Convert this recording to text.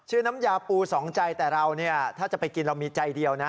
น้ำยาปูสองใจแต่เราเนี่ยถ้าจะไปกินเรามีใจเดียวนะ